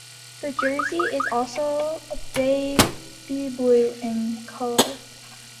The jersey is also baby blue in colour.